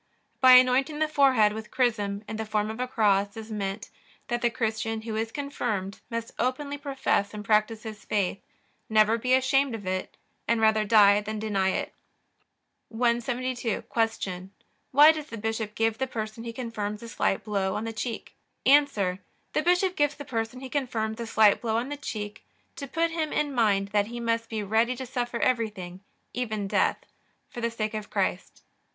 By anointing the forehead with chrism in the form of a cross is meant, that the Christian who is confirmed must openly profess and practice his faith, never be ashamed of it, and rather die than deny it. 172. Q. Why does the bishop give the person he confirms a slight blow on the cheek? A. The bishop gives the person he confirms a slight blow on the cheek, to put him in mind that he must be ready to suffer everything, even death, for the sake of Christ.